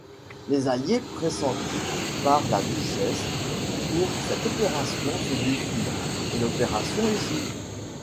Les alliés pressentis par la duchesse pour cette opération se défilent et l’opération échoue.